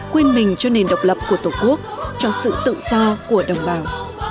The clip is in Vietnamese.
quên mình cho nền độc lập của tổ quốc cho sự tự do của đồng bào